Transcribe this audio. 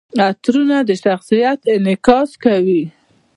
عطرونه د شخصیت انعکاس کوي.